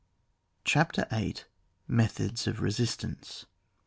CHAPTER VIIL METHODS OF RESISTANCE.